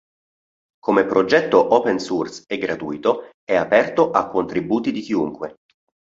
Come progetto open source e gratuito, è aperto a contributi di chiunque.